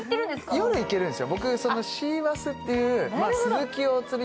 夜、行けるんですよ。